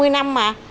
hai mươi năm mà